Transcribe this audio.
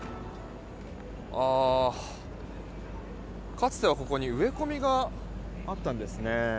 かつてはここに植え込みがあったんですね。